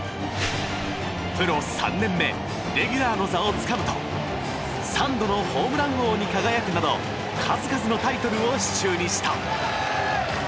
プロ３年目レギュラーの座をつかむと３度のホームラン王に輝くなど数々のタイトルを手中にした。